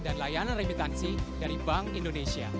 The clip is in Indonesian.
dan layanan remitansi dari bank indonesia